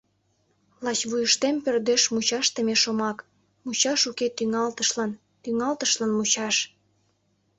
Лач вуйыштем пӧрдеш мучашдыме шомак: «Мучаш уке тӱҥалтышлан, тӱҥалтышлан мучаш…»